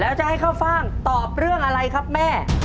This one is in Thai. แล้วจะให้ข้าวฟ่างตอบเรื่องอะไรครับแม่